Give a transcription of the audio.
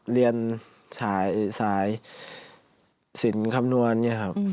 เรียนสายสินคำนวณเนี่ยครับ